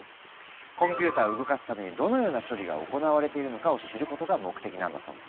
コンピューターを動かすためにどのような処理が行われているのかを知ることが目的なんだそう。